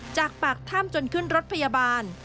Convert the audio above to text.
จากปากถ้ำจนขึ้นรถพยาบาล